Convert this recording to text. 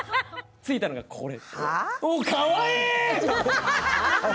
ついたのが、これです。